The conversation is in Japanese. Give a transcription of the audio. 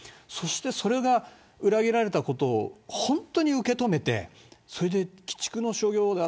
それが裏切られたことを本当に受けとめて鬼畜の所業だ。